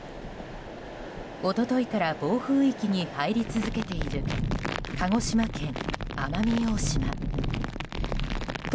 一昨日から暴風域に入り続けている鹿児島県奄美大島。